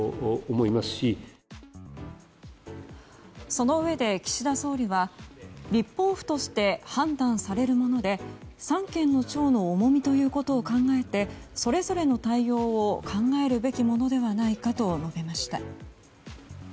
そのうえで、岸田総理は立法府として判断されるもので三権の長の重みということを考えてそれぞれの対応を考えるべきものではないかと述べました。